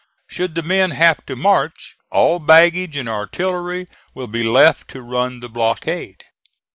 Should the men have to march, all baggage and artillery will be left to run the blockade.